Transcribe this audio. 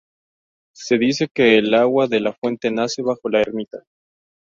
Se dice que el agua de la fuente nace bajo la ermita.